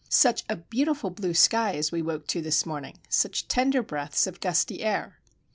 Such a beautiful blue sky as we woke to this morning, such tender breaths of gusty air!